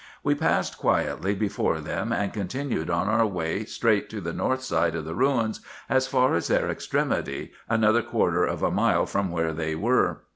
We passed quietly before them, and continued on our way straight to the north side of the ruins as far as their extremity, another quarter of a mile from where 366 RESEARCHES AND OPERATIONS they were.